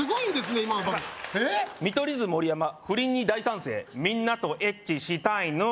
今「見取り図・盛山不倫に大賛成みんなとエッチしたいのー」